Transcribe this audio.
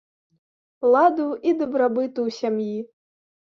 Ладу і дабрабыту ў сям'і!